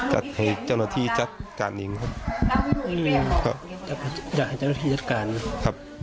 ให้เจ้าหน้าที่ใช้การลงโทนแบบ